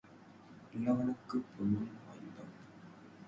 வல்லவனுக்கு புல்லும் ஆயுதம்.